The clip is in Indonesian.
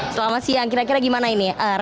selamat siang kira kira gimana ini